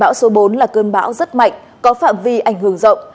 bão số bốn là cơn bão rất mạnh có phạm vi ảnh hưởng rộng